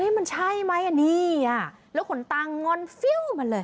เฮ้ยมันใช่ไหมอันนี้อ่ะแล้วขนตางงอนมันเลย